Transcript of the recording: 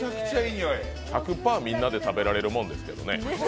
１００％みんなで食べられるもんですけどね。